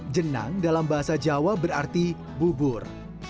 jenang dalam bahasa jawa berarti bubur